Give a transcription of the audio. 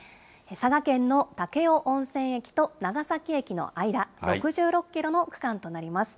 佐賀県の武雄温泉駅と長崎駅の間、６６キロの区間となります。